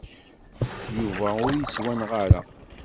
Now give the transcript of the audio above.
Yuba ur yettwanɣa ara.